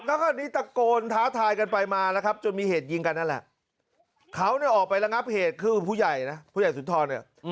แล้วก็นี่ตะโกนท้าทายกันไปมานะครับจนมีเหตุยิงกันนั่นแหละเขาเนี่ยออกไประงับเหตุคือผู้ใหญ่นะผู้ใหญ่สุนทรเนี่ย